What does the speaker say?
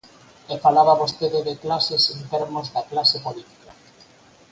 E falaba vostede de clases en termos de clase política.